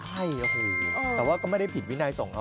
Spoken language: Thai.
ใช่โอ้โหแต่ว่าก็ไม่ได้ผิดวินัยส่งเขา